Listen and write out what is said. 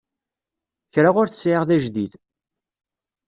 Kra ur t-sɛiɣ d ajdid.